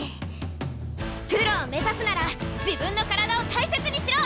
プロを目指すなら自分の体を大切にしろ！